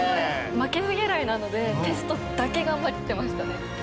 負けず嫌いなのでテストだけ頑張ってましたね。